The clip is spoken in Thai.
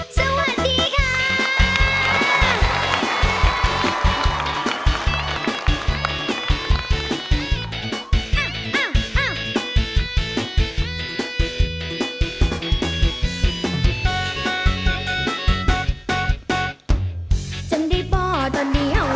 สวัสดีค่ะ